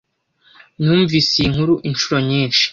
Numvise iyi nkuru inshuro nyinshi.